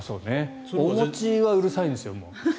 お餅はうるさいんですよ。